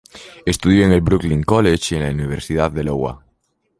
Estudió en el Brooklyn College y en la Universidad de Iowa.